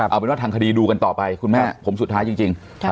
เอาเป็นว่าทางคดีดูกันต่อไปคุณแม่ผมสุดท้ายจริง